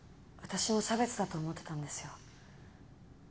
私も差別だと思ってたんですよ。